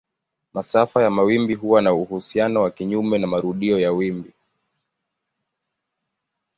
Masafa ya mawimbi huwa na uhusiano wa kinyume na marudio ya wimbi.